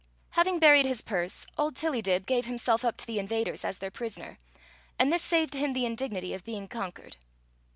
Having buried his purse, old Tillydib gave himself up to the invaders as their prisoner; and this saved him the indignity of being conquered.